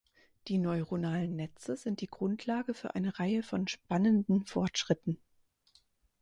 Die neuronalen Netze sind die Grundlage für eine Reihe von spannenden Fortschritten.